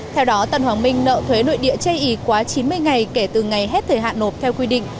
theo đó tân hoàng minh nợ thuế nội địa chây ý quá chín mươi ngày kể từ ngày hết thời hạn nộp theo quy định